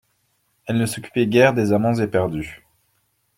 Elles ne s'occupaient guère des amants éperdus.